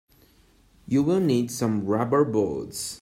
You will need some rubber boots.